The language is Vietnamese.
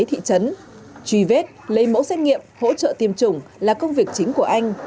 truy vết lấy mẫu xét nghiệm hỗ trợ tiêm chủng là công việc chính của anh